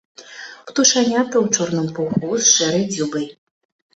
Птушаняты ў чорным пуху з шэрай дзюбай.